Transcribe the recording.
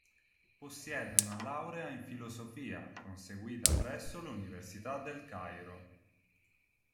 Possiede una laurea in filosofia, conseguita presso l'Università del Cairo.